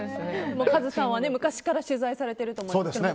カズさんは昔から取材されていると思いますが。